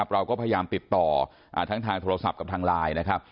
เราก็พยายามติดต่อทั้งทางโทรศัพท์กับทางไลน์นะครับ